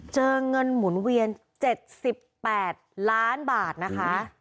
เจอเงินหมุนเวียน๗๘ล้านบาทนะคะ